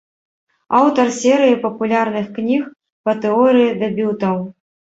Аўтар серыі папулярных кніг па тэорыі дэбютаў.